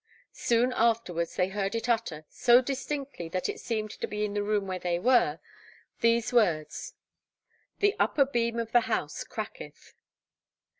Soon afterwards they heard it utter, so distinctly that it seemed to be in the room where they were, these words, 'Y mae nenbren y t[^y] yn craccio,' (the upper beam of the house cracketh.)